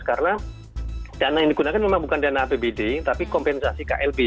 karena dana yang digunakan memang bukan dana apbd tapi kompensasi klb